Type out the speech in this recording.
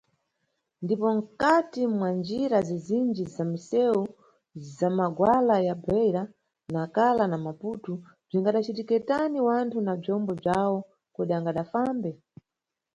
Ndipo mkati mwa njira zizinji za miseu za magwala ya Beira, Nacala na Maputo, bzingadacitike tani wanthu na bzombo bzawo kodi angadafambe?